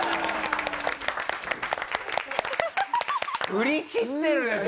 振り切ってるね